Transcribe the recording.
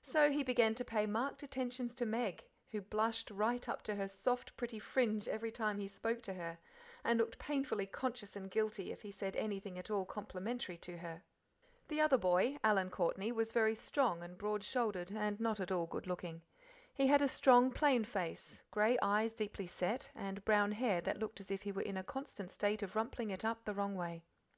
So he began to pay marked attentions to Meg, who blushed right up to her soft, pretty fringe every time he spoke to her, and looked painfully conscious and guilty if he said anything at all complimentary to her. The other boy, Alan Courtney, was very tall and broad shouldered, and not at all good looking. He had a strong, plain face, grey eyes deeply set, and brown hair that looked as if he was in a constant state of rumpling it up the wrong way.